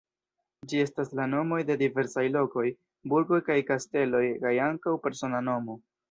Ĝi estas la nomoj de diversaj lokoj, burgoj kaj kasteloj kaj ankaŭ persona nomo.